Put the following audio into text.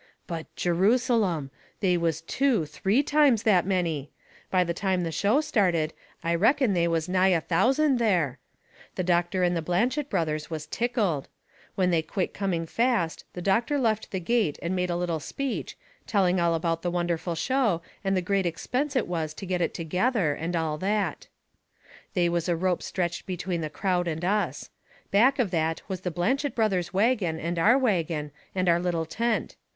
But Jerusalem! They was two, three times that many. By the time the show started I reckon they was nigh a thousand there. The doctor and the Blanchet Brothers was tickled. When they quit coming fast the doctor left the gate and made a little speech, telling all about the wonderful show, and the great expense it was to get it together, and all that. They was a rope stretched between the crowd and us. Back of that was the Blanchet Brothers' wagon and our wagon, and our little tent.